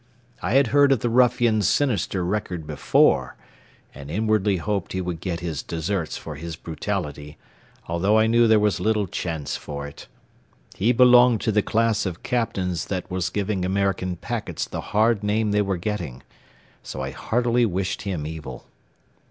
I had heard of the ruffian's sinister record before, and inwardly hoped he would get his deserts for his brutality, although I knew there was little chance for it. He belonged to the class of captains that was giving American packets the hard name they were getting, so I heartily wished him evil.